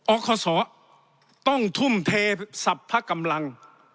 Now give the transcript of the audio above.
ออกส่อต้องทุ่มเทศัพท์พระกำลัง